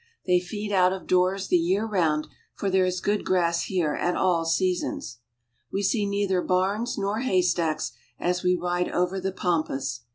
They feed out of doors the year round, for there is good grass here at all seasons. We see neither barns nor haystacks as we ride over the pampas.